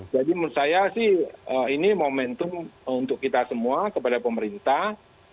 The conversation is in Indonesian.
jadi menurut saya sih ini momentum untuk kita semua kepada pemerintah